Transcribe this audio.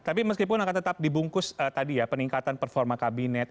tapi meskipun akan tetap dibungkus tadi ya peningkatan performa kabinet